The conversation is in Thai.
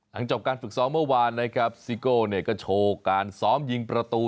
จบการฝึกซ้อมเมื่อวานนะครับซิโก้เนี่ยก็โชว์การซ้อมยิงประตู